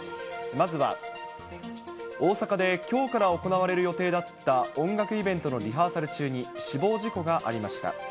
まずは、大阪できょうから行われる予定だった音楽イベントのリハーサル中に死亡事故がありました。